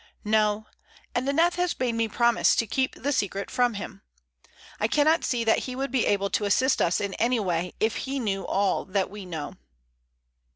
"No; and Aneth has made me promise to keep the secret from him. I cannot see that he would be able to assist us in any way, if he knew all that we know."